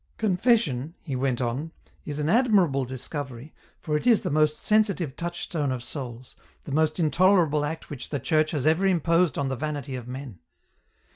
" Confession," he went on, " is an admirable discovery, for it is the most sensitive touchstone of souls, the most intolerable act which the Church has ever imposed on the vanity of men.